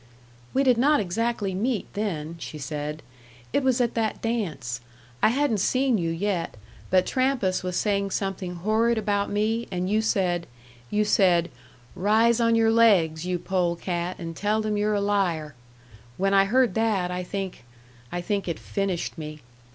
"We did not exactly meet, then," she said. "It was at that dance. I hadn't seen you yet; but Trampas was saying something horrid about me, and you said you said, 'Rise on your legs, you pole cat, and tell them you're a liar.' When I heard that, I think I think it finished me."